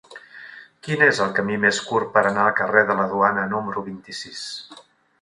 Quin és el camí més curt per anar al carrer de la Duana número vint-i-sis?